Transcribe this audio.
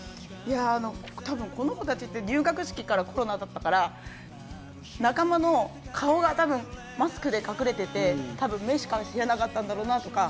多分この子たちって入学式からコロナだったから仲間の顔が多分マスクで隠れてて目しか知れなかったんだろうなとか。